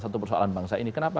satu persoalan bangsa ini kenapa